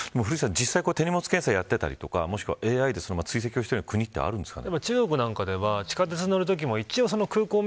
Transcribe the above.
古市さん、実際に手荷物検査をやってたりとかＡＩで追跡している国ってあるんですかね。